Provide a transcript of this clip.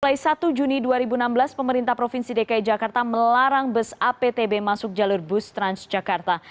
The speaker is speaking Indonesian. mulai satu juni dua ribu enam belas pemerintah provinsi dki jakarta melarang bus aptb masuk jalur bus transjakarta